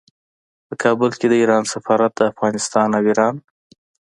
په کابل کې د ایران سفارت د افغانستان او ایران